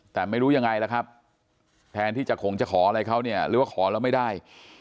แต่ไม่รู้ยังไงล่ะครับแทนที่จะขงจะขออะไรเขาเนี่ยหรือว่าขอแล้วไม่ได้